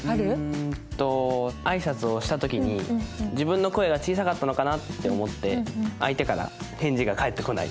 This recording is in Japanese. うんと挨拶をした時に自分の声が小さかったのかなって思って相手から返事が返ってこない。